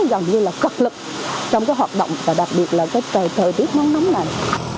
gần như là cực lực trong cái hoạt động và đặc biệt là cái thời tiết nóng nóng này